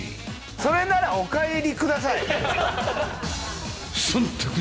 それならお帰りください！